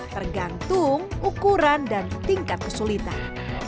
tergantung ukuran dan tingkat kesulitan